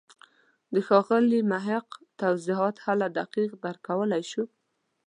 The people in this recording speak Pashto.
د ښاغلي محق توضیحات هله دقیق درک کولای شو.